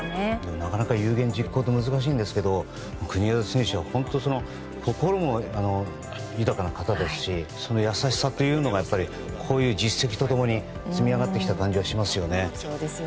なかなか有言実行って難しいんですけど国枝選手は、本当心も豊かな方ですしその優しさというのがこういう実績と共に積み上がってきた感じがしますよね。